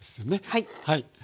はい。